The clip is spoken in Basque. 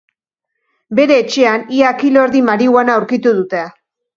Bere etxean, ia kilo erdi marihuana aurkitu dute.